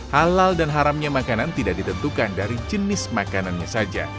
halal dan haramnya makanan tidak ditentukan dari jenis makanannya saja